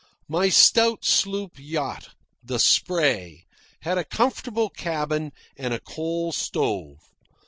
My stout sloop yacht, the Spray, had a comfortable cabin and a coal stove.